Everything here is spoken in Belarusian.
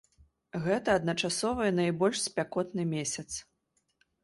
Гэта адначасова і найбольш спякотны месяц.